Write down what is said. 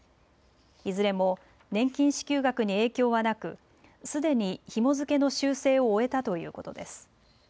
いずれも年金支給額に影響はなくすでにひも付けの修正を終えたということです。